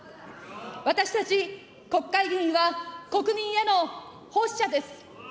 私たち国会議員は国民への奉仕者です。